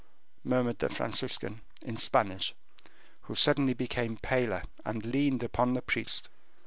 _" murmured the Franciscan, in Spanish, who suddenly became paler, and leaned upon the priest.